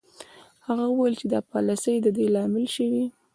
هغه وویل چې دا پالیسۍ د دې لامل شوې